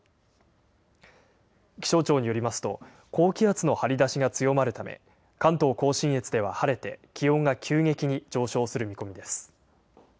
気象庁によりますと、高気圧の張り出しが強まるため、関東甲信越では晴れて、気温が急激に上昇する見込みです。